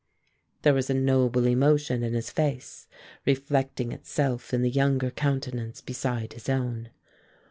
There was a noble emotion in his face, reflecting itself in the younger countenance beside his own.